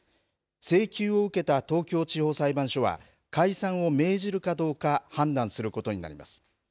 請求を受けた東京地方裁判所は解散を命じるかどうか判断することになります。